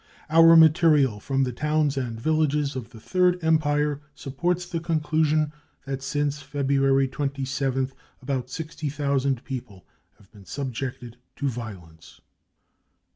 5 ' Our material from the towns, and villages of the Third Empire supports the conclusion that since February 27th about sixty thousand people have been subjected to violence.